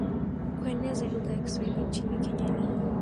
kueneza lugha ya Kiswahili nchini Kenya ni